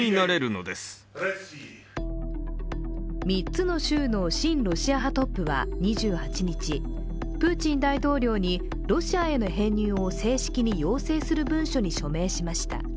３つの州の親ロシア派トップは２８日プーチン大統領に、ロシアへの編入を正式に要請する文書に署名しました。